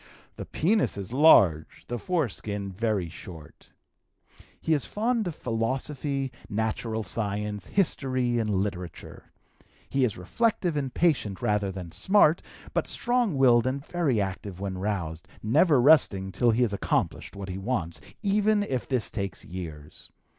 The penis is large, the foreskin very short. He is fond of philosophy, natural science, history, and literature. He is reflective and patient rather than smart, but strong willed and very active when roused, never resting till he has accomplished what he wants, even if this takes years.